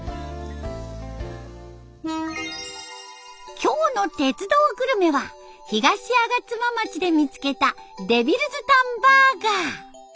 今日の「鉄道グルメ」は東吾妻町で見つけた「デビルズタンバーガー」。